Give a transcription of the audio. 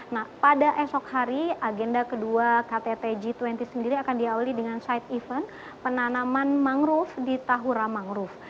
nah pada esok hari agenda kedua ktt g dua puluh sendiri akan diawali dengan side event penanaman mangrove di tahura mangrove